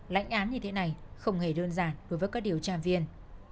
lãnh án như thế này không hề đơn giản đối với các điều tra viên